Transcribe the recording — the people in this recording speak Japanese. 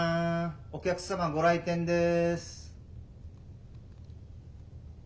お客様ご来店です。